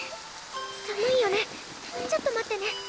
寒いよねちょっと待ってね。